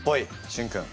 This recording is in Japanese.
しゅん君。